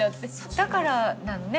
だからなのね